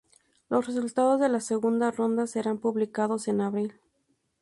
Los resultados de la segunda ronda serán publicados en abril.